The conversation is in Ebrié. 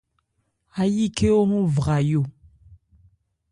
Áyí khɛ́n o hɔ́n vra yo.